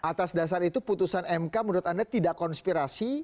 atas dasar itu putusan mk menurut anda tidak konspirasi